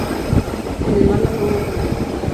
En el mar la fauna es muy rica.